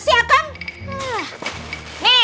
nih buat akang nih